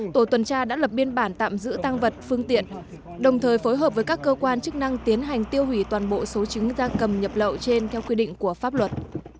tổ tuần tra đã lập biên bản tạm giữ tăng vật phương tiện đồng thời phối hợp với các cơ quan chức năng tiến hành tiêu hủy toàn bộ số trứng da cầm nhập lậu trên theo quy định của pháp luật